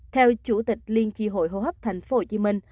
theo chủ tịch liên chi hội hồ hấp tp hcm